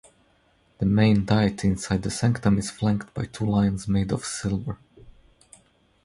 The main deity inside the sanctum is flanked by two lions made of silver.